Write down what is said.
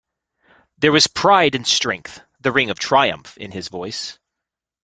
There was pride and strength, the ring of triumph in his voice.